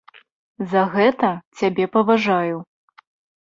За гэта цябе паважаю.